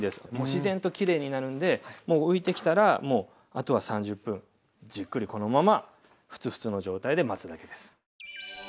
自然ときれいになるんでもう浮いてきたらあとは３０分じっくりこのままフツフツの状態で待つだけです。